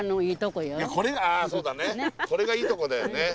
これがいいとこだよね。